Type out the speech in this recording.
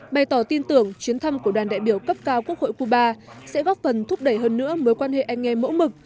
bày tỏ tin tưởng chuyến thăm của đoàn đại biểu cấp cao quốc hội cuba sẽ góp phần thúc đẩy hơn nữa mối quan hệ anh em mẫu mực